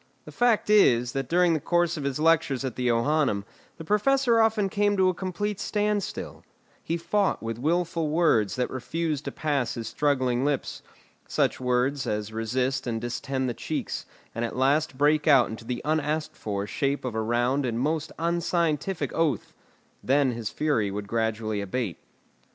The fact is, that during the course of his lectures at the Johannæum, the Professor often came to a complete standstill; he fought with wilful words that refused to pass his struggling lips, such words as resist and distend the cheeks, and at last break out into the unasked for shape of a round and most unscientific oath: then his fury would gradually abate.